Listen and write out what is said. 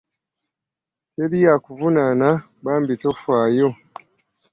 Teri akuvunaana bambi tofaayo.